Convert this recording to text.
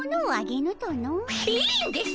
いいんです！